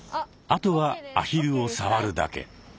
あとはアヒルを触るだけ。